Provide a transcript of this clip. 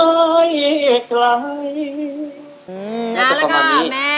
น่ารักก็แมนหมดเวลาแล้ว